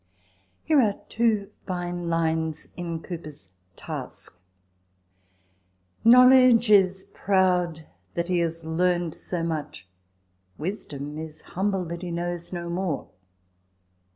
Here are two fine lines in Cowper's " Task :"* Knowledge is proud that he has learn'd so much ; Wisdom is humble that he knows no more.